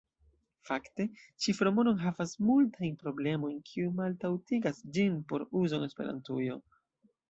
Fakte ĉifromono enhavas multajn problemojn, kiuj maltaŭgigas ĝin por uzo en Esperantujo.